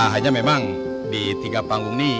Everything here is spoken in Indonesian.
hanya memang di tiga panggung ini